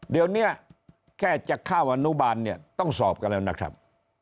เดี๋ยวนี้แค่จะเข้าอนุบาลเนี่ยต้องสอบกันแล้วนะครับ